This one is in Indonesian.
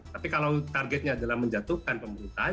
tapi kalau targetnya adalah menjatuhkan pemerintahan